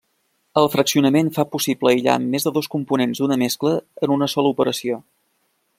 El fraccionament fa possible aïllar més de dos components d'una mescla en una sola operació.